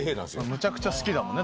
むちゃくちゃ好きだもんね。